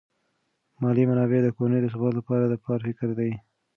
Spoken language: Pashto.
مالی منابع د کورنۍ د ثبات لپاره د پلار فکر دي.